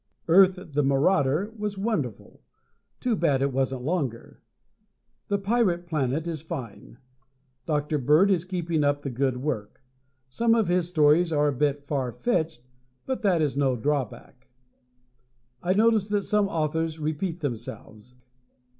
"Earth, the Marauder" was wonderful. Too bad it wasn't longer. "The Pirate Planet" is fine. Dr. Bird is keeping up the good work. Some of his stories are a bit far fetched, but that is no drawback. I notice that some authors repeat themselves.